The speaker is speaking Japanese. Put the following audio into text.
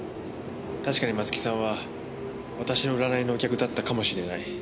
確かに松木さんは私の占いのお客だったかもしれない。